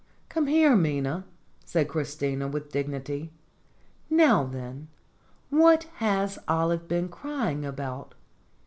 "Come here, Minna," said Christina, with dignity. "Now, then, what has Olive been crying about?"